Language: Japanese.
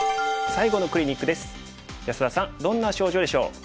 安田さんどんな症状でしょう？